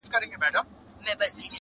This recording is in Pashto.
د یوې برخي یوه ویډیو را ولېږله -